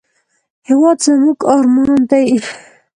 هېواد زموږ ارمان دی